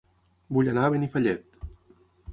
Vull anar a Benifallet